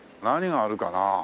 何があるかな？